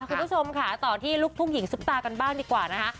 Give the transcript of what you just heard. คุณผู้ชมค่ะต่อที่ลูกทุ่งหญิงซุปตากันบ้างดีกว่านะคะ